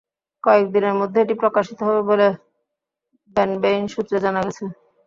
কয়েক দিনের মধ্যে এটি প্রকাশিত হবে বলে ব্যানবেইস সূত্রে জানা গেছে।